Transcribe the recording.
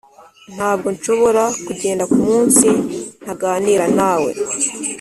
ntabwo nshobora kugenda kumunsi ntaganira nawe.